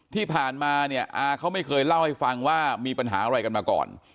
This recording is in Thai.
ที่ผ่านมาเนี่ยอาเขาไม่เคยเล่าให้ฟังว่ามีปัญหาอะไรกันมาก่อน